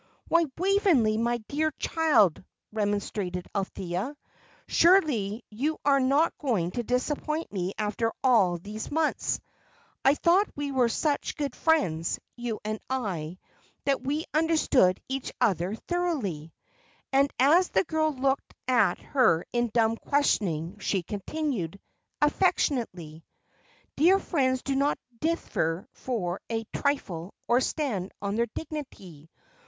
"Why, Waveney, my dear child," remonstrated Althea, "surely you are not going to disappoint me after all these months! I thought we were such good friends, you and I, and that we understood each other thoroughly!" And as the girl looked at her in dumb questioning she continued, affectionately, "Dear friends do not differ for a trifle, or stand on their dignity.